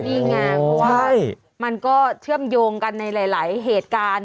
นี่ไงเพราะว่ามันก็เชื่อมโยงกันในหลายเหตุการณ์